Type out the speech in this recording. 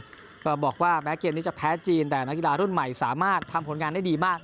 แล้วก็บอกว่าแม้เกมนี้จะแพ้จีนแต่นักกีฬารุ่นใหม่สามารถทำผลงานได้ดีมาก